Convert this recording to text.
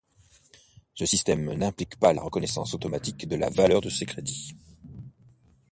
Ce système n'implique pas la reconnaissance automatique de la valeur de ces crédits.